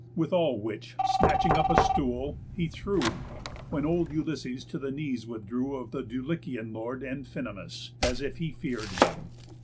With all which, snatching up a stool, he threw; When old Ulysses to the knees withdrew Of the Dulichian lord, Amphinomus, As if he fear'd him.